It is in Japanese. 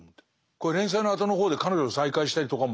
これ連載の後の方で彼女と再会したりとかも。